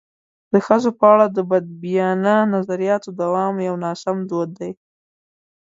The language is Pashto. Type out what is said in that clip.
د ښځو په اړه د بدبینانه نظریاتو دوام یو ناسم دود دی.